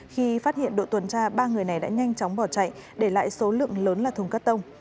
khi phát hiện đội tuần tra ba người này đã nhanh chóng bỏ chạy để lại số lượng lớn là thùng cắt tông